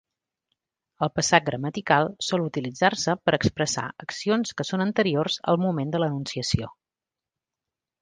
El passat gramatical sol utilitzar-se per expressar accions que són anteriors al moment de l'enunciació.